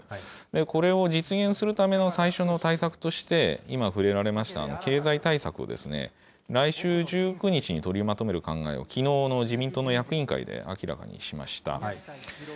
これを実現するための最初の対策として、今、触れられました経済対策を、来週１９日に取りまとめる考えをきのうの自民党の役員会で明らかにしました。